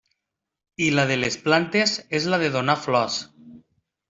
I la de les plantes és la de donar flors.